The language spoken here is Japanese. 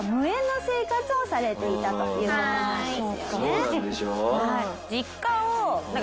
そうなんでしょ？